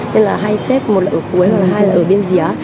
nên là hay xếp một là ở cuối hai là ở bên dưới á